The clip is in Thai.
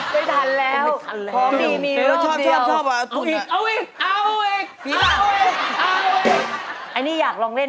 เพียงหวังให้ถึงใครคนที่รอคนนั้น